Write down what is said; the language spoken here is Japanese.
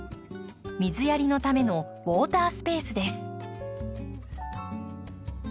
水やりのためのウォータースペースです。